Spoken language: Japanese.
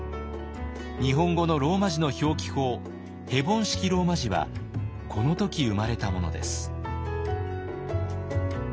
日本語のローマ字の表記法ヘボン式ローマ字はこの時生まれたものです。